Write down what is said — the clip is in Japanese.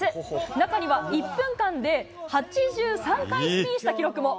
中には、１分間で８３回スピンした記録も。